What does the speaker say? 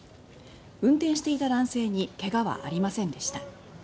運転していた男性に怪我はありませんでした。